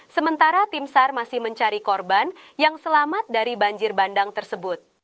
sementara tim sar masih mencari korban yang selamat dari banjir bandang tersebut